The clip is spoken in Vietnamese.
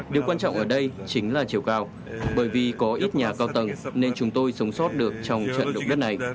điều quan trọng ở đây chính là chiều cao bởi vì có ít nhà cao tầng nên chúng tôi sống sót được trong trận động đất này